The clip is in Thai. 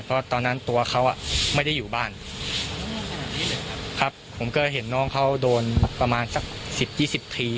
เพราะตอนนั้นตัวเขาอ่ะไม่ได้อยู่บ้านครับผมก็เห็นน้องเขาโดนประมาณสักสิบยี่สิบที